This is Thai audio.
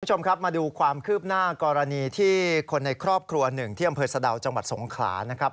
คุณผู้ชมครับมาดูความคืบหน้ากรณีที่คนในครอบครัวหนึ่งที่อำเภอสะดาวจังหวัดสงขลานะครับ